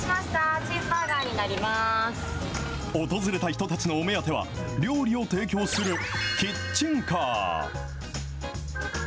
訪れた人たちのお目当ては、料理を提供するキッチンカー。